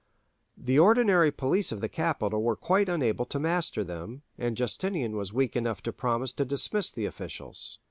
The ordinary police of the capital were quite unable to master them, and Justinian was weak enough to promise to dismiss the officials.